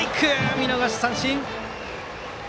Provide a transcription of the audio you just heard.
見逃し三振！